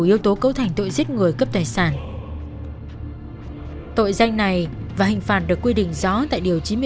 yếu tố cấu thành tội giết người cấp tài sản tội danh này và hình phạt được quy định rõ tại điều